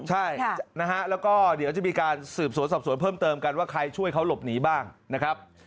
ใช่นะฮะแล้วก็เดี๋ยวจะมีการสืบสวนสอบสวนเพิ่มเติมกันว่าใครช่วยเขาหลบหนีบ้างนะครับ